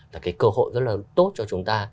là cái cơ hội rất là tốt cho chúng ta